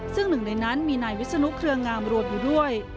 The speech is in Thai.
ซึ่งหนึ่งในนั้นมีนายวิศนุเครืองามรวมอยู่ด้วย